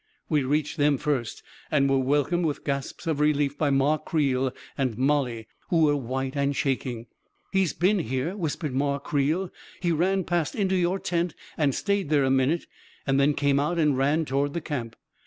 We reached them first, and were welcomed with gasps of relief by Ma Creel and Mollie, who were white and shaking. " He's been here," whispered Ma Creel. " He ran past into your tent and stayed there a minute, and then came out and ran toward the camp